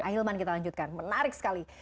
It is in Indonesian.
ahilman kita lanjutkan menarik sekali